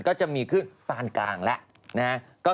ก็จะมีขึ้นฝนกลางแล้วนะฮะ